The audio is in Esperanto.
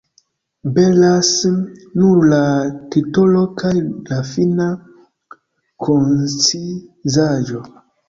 Belas nur la titolo kaj la fina koncizaĵo.